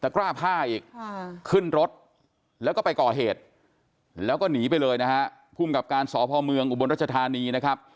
กล้าผ้าอีกขึ้นรถแล้วก็ไปก่อเหตุแล้วก็หนีไปเลยนะฮะภูมิกับการสพเมืองอุบลรัชธานีนะครับ